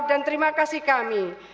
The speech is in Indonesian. dan dengan pemerintah yang berkembang